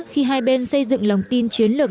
khi hai bên xây dựng lòng tin chiến lược